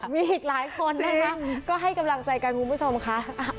มีอีกหลายคนนะคะก็ให้กำลังใจกันคุณผู้ชมค่ะ